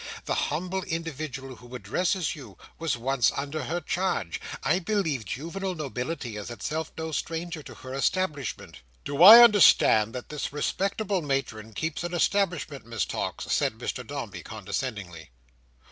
The humble individual who addresses you was once under her charge. I believe juvenile nobility itself is no stranger to her establishment." "Do I understand that this respectable matron keeps an establishment, Miss Tox?" the Mr Dombey, condescendingly.